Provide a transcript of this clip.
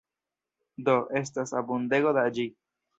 Do, estas abundego da ĝi.